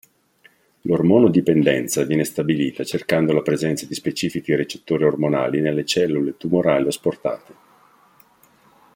L'ormono-dipendenza viene stabilita cercando la presenza di specifici recettori ormonali nelle cellule tumorali asportate.